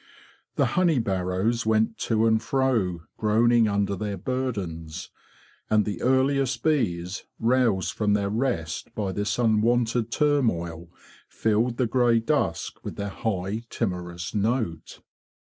The honey barrows went to and fro groaning under their burdens; and the earliest bees, roused from their rest by this unwonted turmoil, filled the grey dusk with their high timorous note.